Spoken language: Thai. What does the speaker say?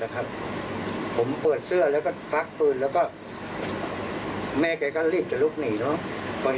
เนาะพอเห็นปืนนะครับ